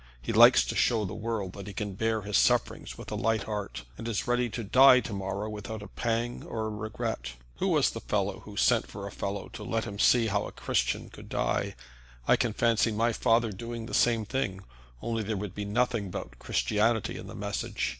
He likes to show the world that he can bear his sufferings with a light heart, and is ready to die to morrow without a pang or a regret. Who was the fellow who sent for a fellow to let him see how a Christian could die? I can fancy my father doing the same thing, only there would be nothing about Christianity in the message.